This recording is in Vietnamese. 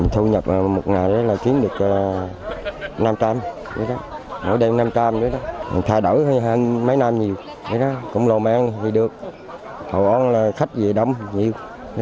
thu nhập một ngày là kiếm được năm trăm linh mỗi đêm năm trăm linh thay đổi mấy năm nhiều cũng lồ mang thì được hầu an là khách về đông nhiều